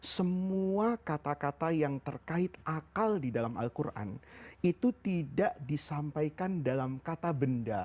semua kata kata yang terkait akal di dalam al quran itu tidak disampaikan dalam kata benda